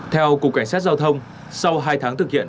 theo cục cảnh sát giao thông sau hai tháng thực hiện